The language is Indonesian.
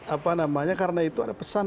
apa namanya karena itu ada pesan